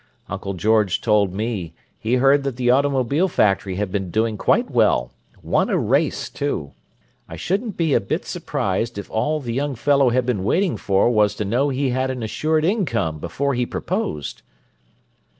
Uncle George told me he heard that the automobile factory had been doing quite well—won a race, too! I shouldn't be a bit surprised if all the young fellow had been waiting for was to know he had an assured income before he proposed."